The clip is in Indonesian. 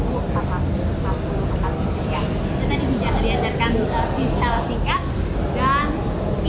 saya tadi bisa diajarkan secara singkat